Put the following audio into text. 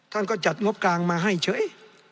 ท่านก็จัดงบกลางมาให้เฉย